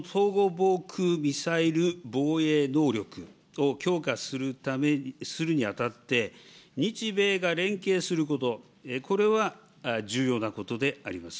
防空ミサイル防衛能力を強化するにあたって、日米が連携すること、これは重要なことであります。